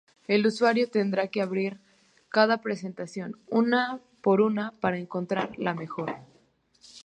El usuario tendrá que abrir cada presentación, una por una para encontrar la mejor.